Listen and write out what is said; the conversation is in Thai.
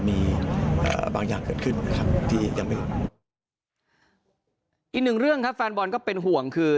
อีกหนึ่งเรื่องครับแฟนบอลก็เป็นห่วงคือ